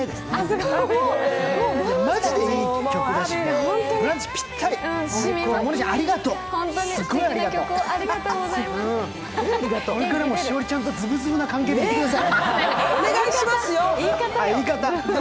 これからも栞里ちゃんとズブズブな関係でいてください。